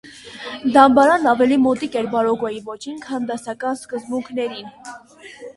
Դամբարանն ավելի մոտ է բարրոկոյի ոճին, քան դասական սկզբունքներին։